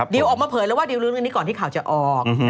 ดิวออกมาเผยแล้วว่าดิวรู้เรื่องนี้ก่อนที่ข่าวจะออก